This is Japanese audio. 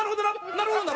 なるほどな！